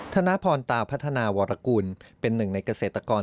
ธนพรตาพัฒนาวรกุลเป็นหนึ่งในเกษตรกร